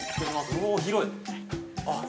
おお、広い。